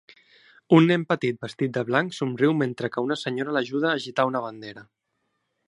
Un nen petit vestit de blanc somriu mentre que una senyora l'ajuda a agitar una bandera.